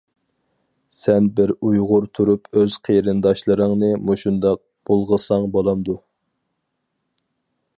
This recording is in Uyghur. سەن بىر ئۇيغۇر تۇرۇپ ئۆز قېرىنداشلىرىڭنى مۇشۇنداق بۇلغىساڭ بۇلامدۇ!